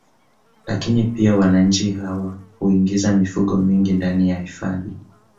Lakini pia wananchi hawa huingiza mifugo mingi ndani ya hifadhi